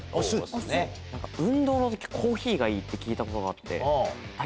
運動の時コーヒーがいいって聞いたことがあって。